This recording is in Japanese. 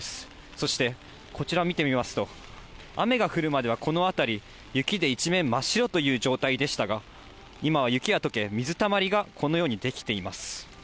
そして、こちら見てみますと、雨が降るまでは、この辺り、雪で一面真っ白という状態でしたが、今は雪がとけ、水たまりがこのように出来ています。